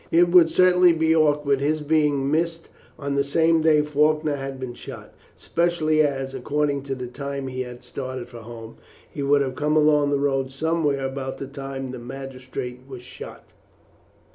It would certainly be awkward his being missed on the same day Faulkner had been shot, especially as, according to the time he had started for home, he would have come along the road somewhere about the time the magistrate was shot.